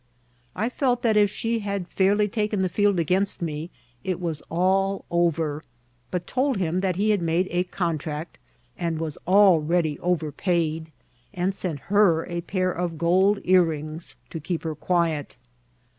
I felt that if she had fairly taken the field against me it was all over, but told him that he had made a contract, and was abready overpaid ; and sent her a pair of gold earrings to keep her quiet.